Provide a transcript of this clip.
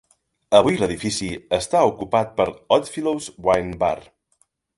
Avui l'edifici està ocupat per l'Oddfellows Wine Bar.